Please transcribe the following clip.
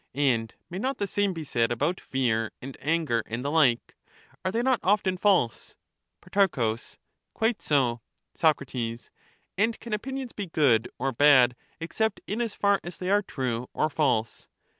And may not the same be said about fear and anger and the like ; are they not often false ? Pro. Quite so. Soc. And can opinions be good or bad except in as far as they are true or false